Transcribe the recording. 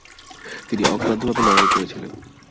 তিনি অক্লান্তভাবে লড়াই করেছিলেন।